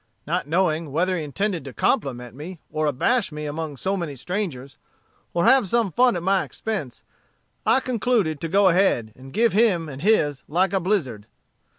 Not knowing whether he intended to compliment me, or abash me among so many strangers, or have some fun at my expense, I concluded to go ahead, and give him and his like a blizzard.